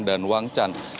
dan wang chan